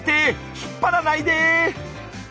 引っ張らないで」。